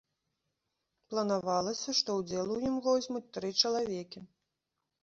Планавалася, што ўдзел у ім возьмуць тры чалавекі.